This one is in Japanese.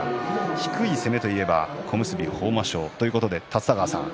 低い攻めといえば小結豊真将ということで立田川さん